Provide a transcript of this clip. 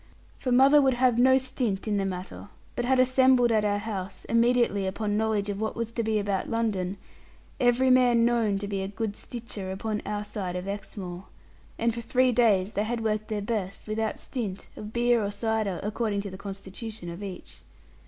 For mother would have no stint in the matter, but had assembled at our house, immediately upon knowledge of what was to be about London, every man known to be a good stitcher upon our side of Exmoor. And for three days they had worked their best, without stint of beer or cider, according to the constitution of each.